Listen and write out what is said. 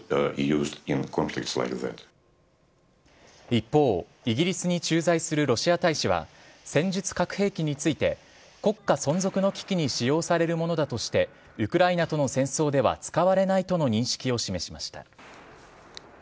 一方、イギリスに駐在するロシア大使は、戦術核兵器について、国家存続の危機に使用されるものだとしてウクライナとの戦争では使われないとの認識を示しました。